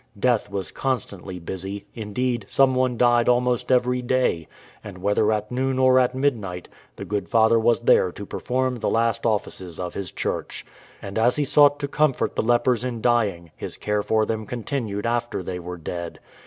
Death was constantly busy — indeed, some one died almost every day ; and whether at noon or at midnight, the good father was there to per form the last offices of his Church. And as he sought to comfort the lepers in dying, his care for them continued after they were dead.